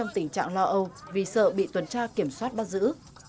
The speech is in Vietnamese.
trong tình trạng lo âu vì sợ bị tuần tra kiểm soát bắt giữ